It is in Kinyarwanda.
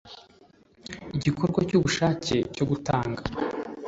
igikorwa cy’ubushake cyo gutanga